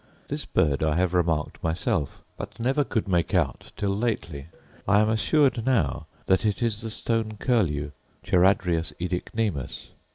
This bird I have remarked myself, but never could make out till lately. I am assured now that it is the stone curlew (charadrius oedicnemus).